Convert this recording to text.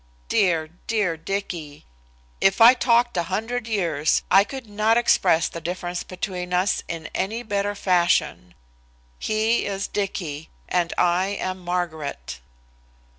Dear, dear Dicky! If I talked a hundred years I could not express the difference between us in any better fashion. He is "Dicky" and I am "Margaret."